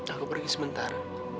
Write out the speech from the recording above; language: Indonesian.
aku pergi sebentar